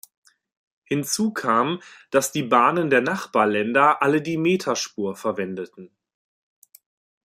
Hinzu kam, dass die Bahnen der Nachbarländer alle die Meterspur verwendeten.